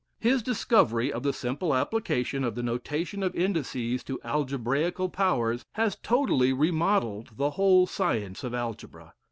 His discovery of the simple application of the notation of indices to algebraical powers, has totally remodelled the whole science of algebra.